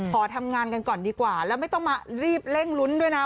ขอทำงานกันก่อนดีกว่าแล้วไม่ต้องมารีบเร่งลุ้นด้วยนะ